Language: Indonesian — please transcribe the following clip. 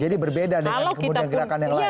jadi berbeda dengan gerakan yang lain